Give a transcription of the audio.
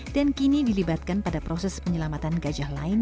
dan kini dilibatkan pada proses penyelamatan gajah lain